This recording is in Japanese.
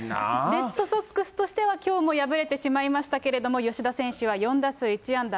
レッドソックスとしてはきょうも敗れてしまいましたけれども、吉田選手は４打数１安打。